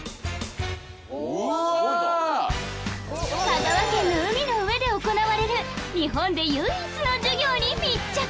香川県の海の上で行われる日本で唯一の授業に密着！